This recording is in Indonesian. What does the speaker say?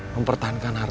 saya gak akan kemana mana